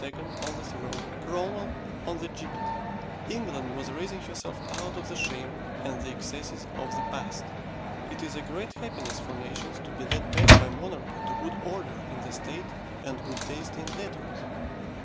on the throne, Cromwell on the gibbet. England was raising herself out of the shame and the excesses of the past. It is a great happiness for nations to be led back by monarchy to good order in the state and good taste in letters.